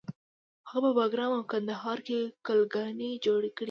هغه په بګرام او کندهار کې کلاګانې جوړې کړې